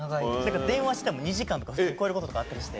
電話しても２時間とか普通に超える事とかあったりして。